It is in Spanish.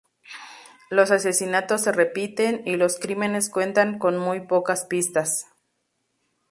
Los asesinatos se repiten, y los crímenes cuentan con muy pocas pistas.